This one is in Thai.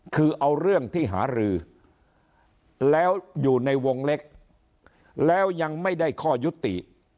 คือเอาเรื่องที่หารือแล้วอยู่ในวงเล็กแล้วยังไม่ได้ข้อยุติ